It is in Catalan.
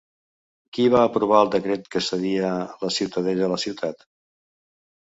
Qui va aprovar el decret que cedia la Ciutadella a la ciutat?